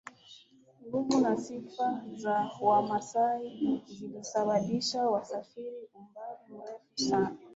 nguvu na sifa za wamasai zilisababisha wasafiri umbali mrefu sana